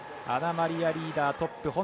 アナマリア・リーダー、トップ。